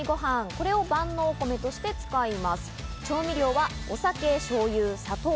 これを万能お米として使います。